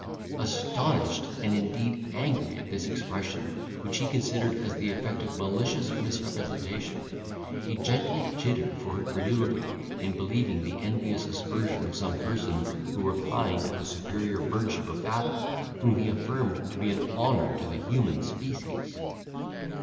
Astonished, and indeed angry, at this expression, which he considered as the effect of malicious misrepresentation, he gently chid her for her credulity in believing the envious aspersion of some person, who repined at the superior virtue of Fathom, whom he affirmed to be an honour to the human species.